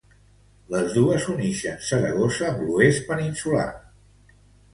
Les dos unixen Saragossa amb l'oest peninsular.